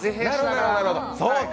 そうか！